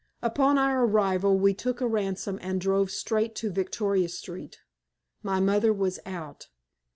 Upon our arrival we took a hansom and drove straight to Victoria Street. My mother was out.